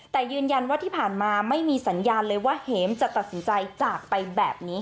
แต่ยืนยันว่าที่ผ่านมาไม่มีสัญญาณเลยว่าเห็มจะตัดสินใจจากไปแบบนี้